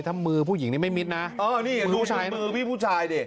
ถ้ามือผู้หญิงนี้ไม่มิตรนะอ๋อนี่มือผู้ชายมือพี่ผู้ชายดิ